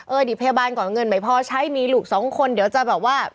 เดี๋ยวพยาบาลก่อนเงินไม่พอใช้มีลูกสองคนเดี๋ยวจะแบบว่า